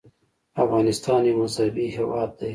افغانستان یو مذهبي هېواد دی.